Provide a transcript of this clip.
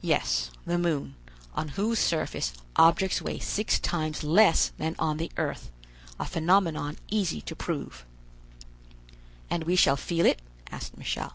"Yes, the moon, on whose surface objects weigh six times less than on the earth, a phenomenon easy to prove." "And we shall feel it?" asked Michel.